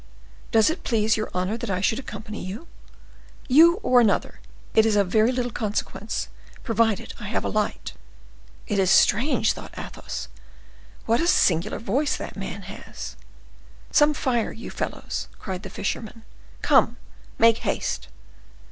Does it please your honor that I should accompany you?" "You or another; it is of very little consequence, provided I have a light." "It is strange!" thought Athos; "what a singular voice that man has!" "Some fire, you fellows!" cried the fisherman; "come, make haste!"